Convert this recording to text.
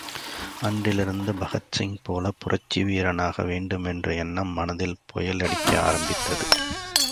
அன்றிலிருந்து பகத்சிங் போல புரட்சி வீரனாக வேண்டுமென்ற எண்ணம் மனதில் புயலடிக்க ஆரம்பித்தது.